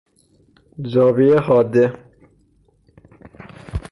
زاویۀ حاده